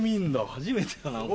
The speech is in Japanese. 初めてだな。